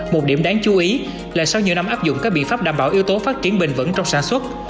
một điểm đáng chú ý là sau nhiều năm áp dụng các biện pháp đảm bảo yếu tố phát triển bình vẩn trong sản xuất